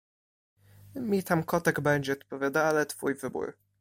Mi tam kotek bardziej odpowiada, ale twój wybór.